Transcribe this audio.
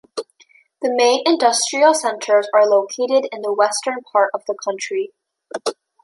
The main industrial centers are located in the western part of the country.